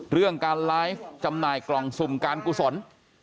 เรื่องการไลฟ์จำหน่ายกล่องสุ่มการกุศล